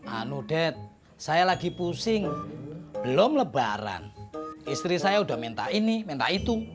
anu det saya lagi pusing belum lebaran istri saya udah minta ini minta itu